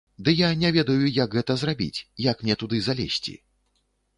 - Ды я не ведаю, як гэта зрабіць, як мне туды залезці